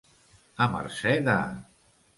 A mercè de.